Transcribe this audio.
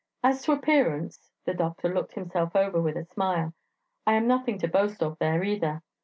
As to appearance" (the doctor looked himself over with a smile) "I am nothing to boast of there either.